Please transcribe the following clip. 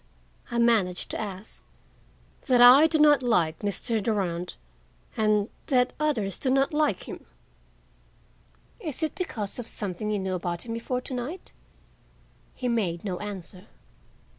I managed to ask. "That I do not like Mr. Durand and—that others do not like him." "Is it because of something you knew about him before to night?" He made no answer.